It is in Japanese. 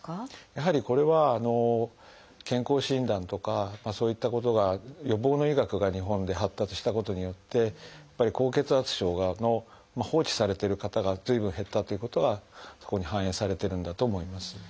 やはりこれは健康診断とかそういったことが予防の医学が日本で発達したことによって高血圧症の放置されてる方が随分減ったということがここに反映されてるんだと思います。